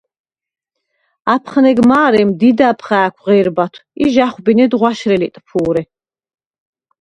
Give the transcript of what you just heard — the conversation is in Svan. აფხნეგ მა̄რემ დიდა̈ბ ხა̄̈ქვ ღე̄რბათვ ი ჟ’ა̈ხვბინედ ღვაშრე ლიტფუ̄რე.